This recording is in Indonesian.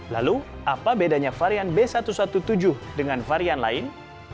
lalu apa bedanya varian b satu satu tujuh dengan varian lain